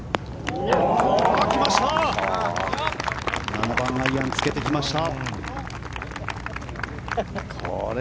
７番アイアンつけてきました。